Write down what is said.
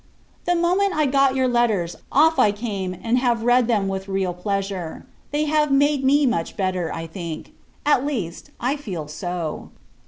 The moment I got your letters, off I came, and have read them with real pleasure. They have made me much better, I think; at least, I feel so.